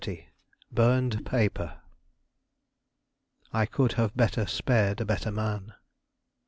BURNED PAPER "I could have better spared a better man."